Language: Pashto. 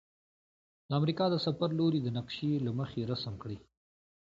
د امریکا د سفر لوري د نقشي له مخې رسم کړئ.